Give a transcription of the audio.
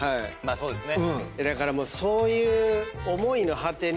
そうですね。